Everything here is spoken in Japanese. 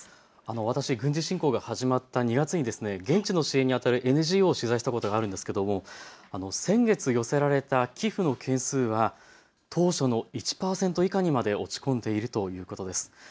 私、軍事侵攻が始まった２月に現地の支援にあたるＮＧＯを取材したことがあるんですけど先月寄せられた寄付の件数は当初の１％以下にまで落ち込んでいるということです。